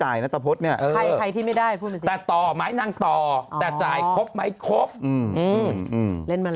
ให้กลับกลับเอง